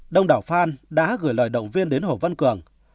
đông đảo phan đã gửi lời động viên đến hồ văn cường